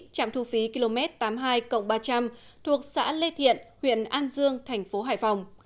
trạm thu phí km tám mươi hai ba trăm linh thuộc xã lê thiện huyện an dương thành phố hải phòng